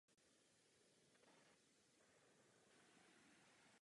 Jeho jediným policejním spojencem je komisař James Gordon.